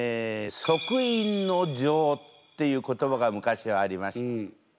惻隠の情っていう言葉が昔はありました。